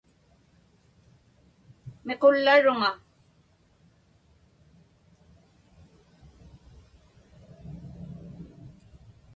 Miqullaruŋa.